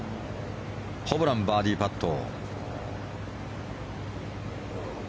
ホブラン、バーディーパット。